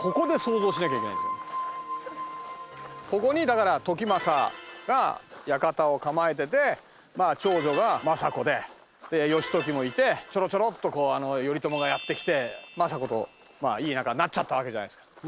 ここにだから時政が館を構えてて長女が政子で義時もいてちょろちょろっと頼朝がやって来て政子といい仲になっちゃったわけじゃないですか。